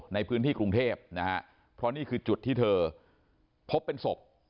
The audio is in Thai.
ในพื้นที่กรุงเทพนะฮะเพราะนี่คือจุดที่เธอพบเป็นศพ